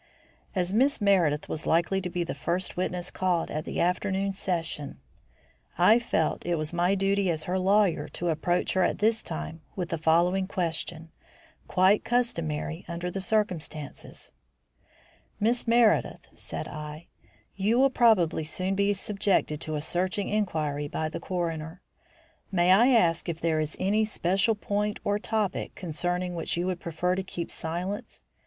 As Miss Meredith was likely to be the first witness called at the afternoon session, I felt it my duty as her lawyer to approach her at this time with the following question, quite customary under the circumstances: "Miss Meredith," said I, "you will probably soon be subjected to a searching inquiry by the coroner. May I ask if there is any special point or topic concerning which you would prefer to keep silence?